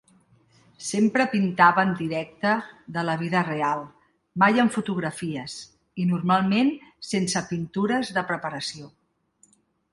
Sempre pintava en directe de la vida real, mai amb fotografies, i normalment sense pintures de preparació.